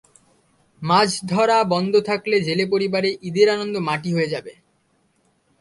মাছ ধরা বন্ধ থাকলে জেলে পরিবারে ঈদের আনন্দ মাটি হয়ে যাবে।